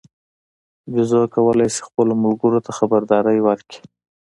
بیزو کولای شي خپلو ملګرو ته خبرداری ورکړي.